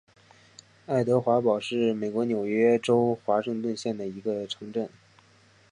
爱德华堡是美国纽约州华盛顿县的一个城镇。